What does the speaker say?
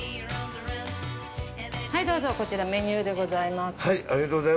はいどうぞこちらメニューでございます。